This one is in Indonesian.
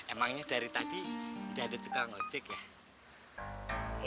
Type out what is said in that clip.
emangnya dari tadi udah ada tukang ojek ya